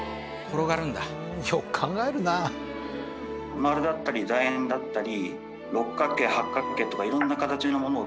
丸だったりだ円だったり六角形八角形とか色んな形のものを作って。